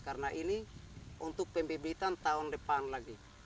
karena ini untuk pembebitan tahun depan lagi